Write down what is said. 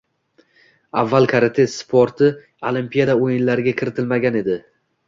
Avval karate sporti olimpiada oʻyinlariga kiritilmagan edi.